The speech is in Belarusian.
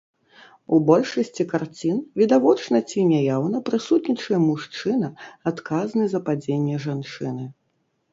У большасці карцін відавочна ці няяўна прысутнічае мужчына, адказны за падзенне жанчыны.